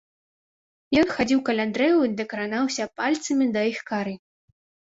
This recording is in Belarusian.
Ён хадзіў каля дрэў і дакранаўся пальцамі да іх кары.